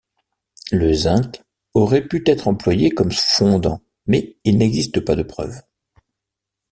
Le zinc aurait pu être employé comme fondant, mais il n'existe pas de preuves.